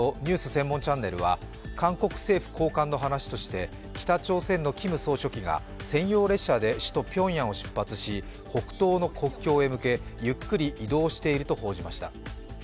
専門チャンネルは韓国政府高官の話として、北朝鮮のキム総書記が専用列車で首都ピョンヤンを出発し北東の国境に向けゆっくり移動していると報じました。